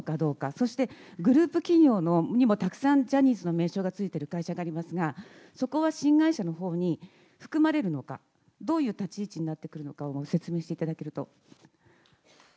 そしてグループ企業にもたくさんジャニーズの名称が付いている会社がありますが、そこは新会社のほうに含まれるのか、どういう立ち位置になってくるのかを説明していただけると。